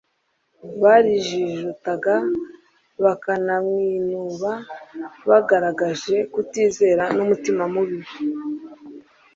Barijijutaga bakanamwinuba. Bagaragaje kutizera n'umutima mubi